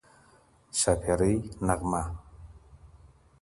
شاپېرۍ نغمه